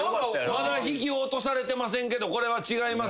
「まだ引き落とされてませんけどこれは違いますよねおそらく」って。